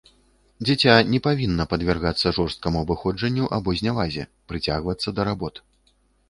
Дзіця не павінна падвяргацца жорсткаму абыходжанню або знявазе, прыцягвацца да работ.